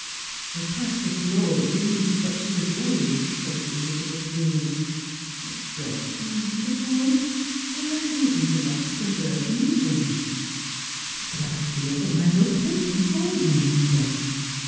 "' The path of gloiy leads but to the grave,' " said Elizabeth gloomil_y. "Don't go, Mr. Forde. There are heathens enough to convert in England." " But I feel that my vocation calls me yonder."